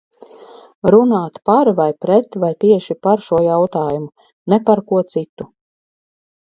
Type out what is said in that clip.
"Runāt "par" vai "pret" var tieši par šo jautājumu, ne par ko citu."